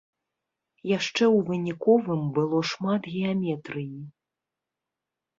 Яшчэ ў выніковым было шмат геаметрыі.